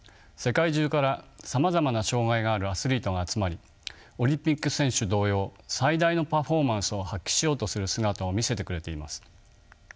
世界中からさまざまな障がいがあるアスリートが集まりオリンピック選手同様最大のパフォーマンスを発揮しようとする姿を見せてくれています。